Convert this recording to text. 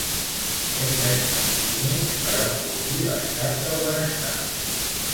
Hem d’estar units per enfortir l’estat del benestar.